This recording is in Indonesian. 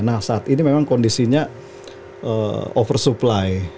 nah saat ini memang kondisinya over supply